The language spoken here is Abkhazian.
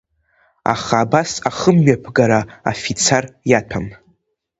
Аха абас ахымҩаԥгара афицар иаҭәам.